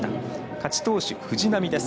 勝ち投手、藤浪です。